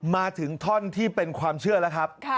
มาถึงท่อนที่เป็นความเชื่อแล้วครับ